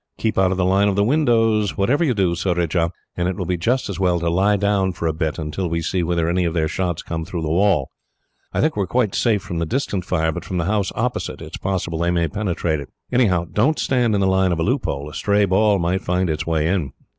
"Keep out of the line of the windows, whatever you do, Surajah; and it will be just as well to lie down for a bit, until we see whether any of their shots come through the wall. I think we are quite safe from the distant fire, but from the house opposite it is possible they may penetrate it. Anyhow, don't stand in the line of a loophole. A stray ball might find its way in."